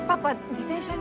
自転車に。